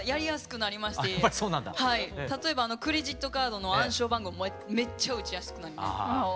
例えばクレジットカードの暗証番号もめっちゃ打ちやすく。